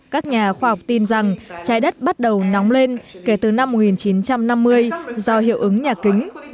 các nhà khoa học tin rằng trái đất bắt đầu nóng lên kể từ năm một nghìn chín trăm năm mươi do hiệu ứng nhà kính